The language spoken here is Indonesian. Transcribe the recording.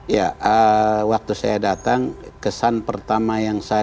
ya waktu saya datang kesan pertama yang saya